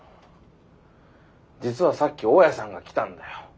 実はさっき大家さんが来たんだよ。